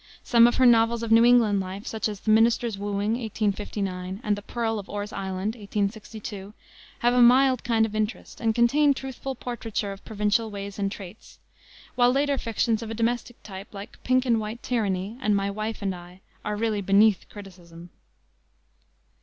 Some of her novels of New England life, such as the Minister's Wooing, 1859, and the Pearl of Orr's Island, 1862, have a mild kind of interest, and contain truthful portraiture of provincial ways and traits; while later fictions of a domestic type, like Pink and White Tyranny, and My Wife and I, are really beneath criticism.